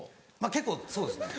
結構そうですね。